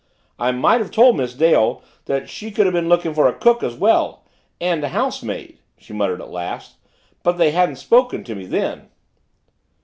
"I might have told Miss Dale she could have been lookin' for a cook as well and a housemaid " she muttered at last, "but they hadn't spoken to me then."